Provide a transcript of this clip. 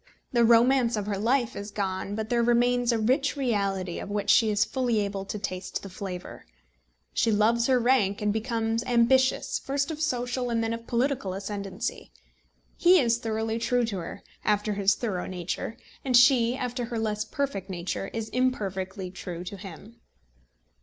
The romance of her life is gone, but there remains a rich reality of which she is fully able to taste the flavour. She loves her rank and becomes ambitious, first of social, and then of political ascendancy. He is thoroughly true to her, after his thorough nature, and she, after her less perfect nature, is imperfectly true to him.